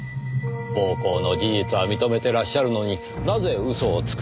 暴行の事実は認めてらっしゃるのになぜ嘘をつくのか。